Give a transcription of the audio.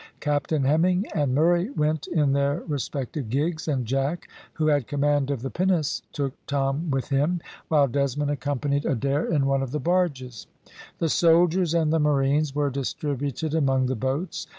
Captain Hemming and Murray went in their respective gigs, and Jack, who had command of the pinnace, took Tom with him, while Desmond accompanied Adair in one of the barges; the soldiers and the marines were distributed among the boats.